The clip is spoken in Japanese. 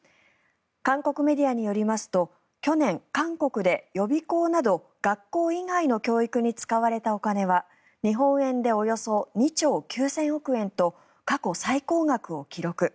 韓国メディアによりますと去年、韓国で予備校など学校以外の教育に使われたお金は日本円でおよそ２兆９０００億円と過去最高額を記録。